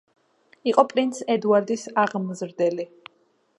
იყო პრინც ედუარდის აღმზრდელი.